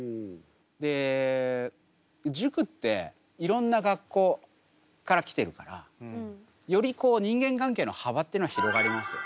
で塾っていろんな学校から来てるからより人間関係の幅ってのは広がりますよね。